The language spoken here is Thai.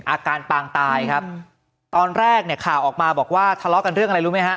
อาการปางตายครับตอนแรกเนี่ยข่าวออกมาบอกว่าทะเลาะกันเรื่องอะไรรู้ไหมฮะ